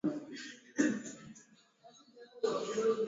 Kuna mwanzo na mwisho wa kila jambo